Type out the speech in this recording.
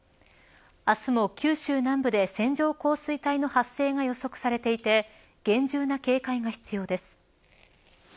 明日も、九州南部で線状降水帯の発生が予測されていて厳重な警戒が必要です。